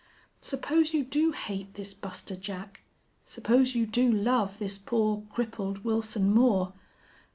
Suppose you do hate this Buster Jack. Suppose you do love this poor, crippled Wilson Moore....